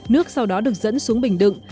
nước sau đó được dẫn xuống bình đựng